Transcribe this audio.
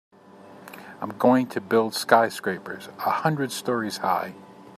I'm going to build skyscrapers a hundred stories high.